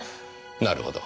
なるほど。